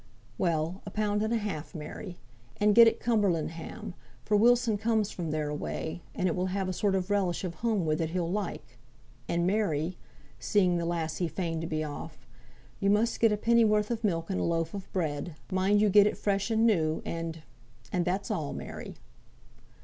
"Well, a pound and a half, Mary. And get it Cumberland ham, for Wilson comes from there away, and it will have a sort of relish of home with it he'll like, and Mary" (seeing the lassie fain to be off), "you must get a pennyworth of milk and a loaf of bread mind you get it fresh and new and, and that's all, Mary."